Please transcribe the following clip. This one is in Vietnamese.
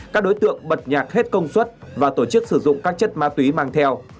các đối tượng bật nhạc hết công suất và tổ chức sử dụng các chất ma túy mang theo